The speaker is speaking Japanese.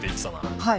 はい。